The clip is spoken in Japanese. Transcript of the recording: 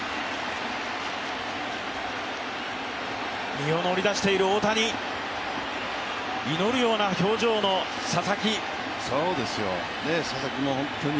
身を乗り出している大谷、祈るような表情の佐々木。